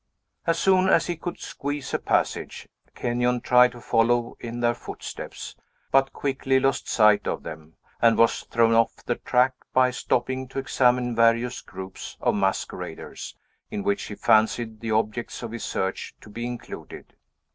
As soon as he could squeeze a passage, Kenyon tried to follow in their footsteps, but quickly lost sight of them, and was thrown off the track by stopping to examine various groups of masqueraders, in which he fancied the objects of his search to be included.